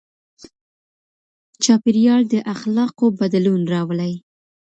چاپېريال د اخلاقو بدلون راولي.